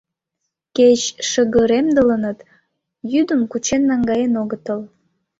Кеч шыгыремдылыныт, йӱдым кучен наҥгаен огытыл...